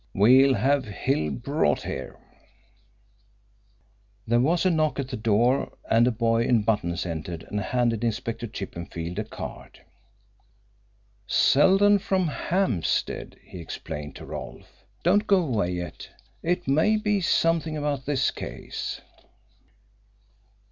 We'll have Hill brought here " There was a knock at the door, and a boy in buttons entered and handed Inspector Chippenfield a card. "Seldon from Hampstead," he explained to Rolfe. "Don't go away yet. It may be something about this case."